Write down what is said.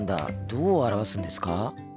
どう表すんですか？